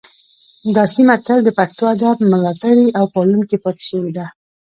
دا سیمه تل د پښتو ادب ملاتړې او پالونکې پاتې شوې ده